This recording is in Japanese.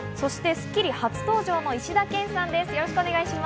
『スッキリ』初登場の石田健さんです。